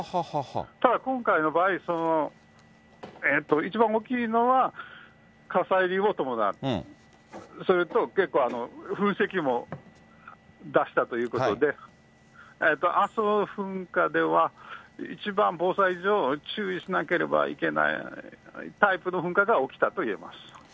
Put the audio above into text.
ただ今回の場合、その一番大きいのは、火砕流を伴う、それと結構、噴石も出したということで、阿蘇噴火では、一番防災上、注意しなければいけないタイプの噴火が起きたといえます。